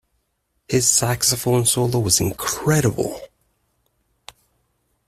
His saxophone solo was incredible.